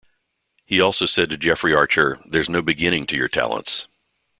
He also said to Jeffrey Archer, There's no beginning to your talents.